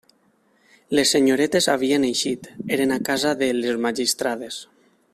Les senyoretes havien eixit; eren a casa de «les magistrades».